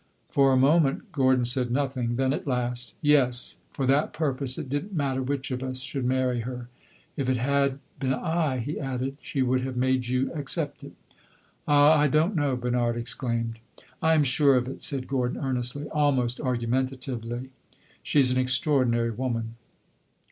For a moment Gordon said nothing. Then, at last "Yes, for that purpose it did n't matter which of us should marry her. If it had been I," he added, "she would have made you accept it." "Ah, I don't know!" Bernard exclaimed. "I am sure of it," said Gordon earnestly almost argumentatively. "She 's an extraordinary woman."